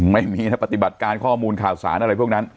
ไม่มีนะปฏิบัติการข้อมูลข่าวสารอะไรพวกนั้น